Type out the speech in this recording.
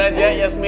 langsung aja yasmin